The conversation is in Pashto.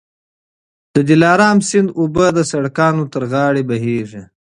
د دلارام سیند اوبه د سړکونو تر غاړه بهېږي.